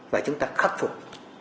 và chúng ta khắc phục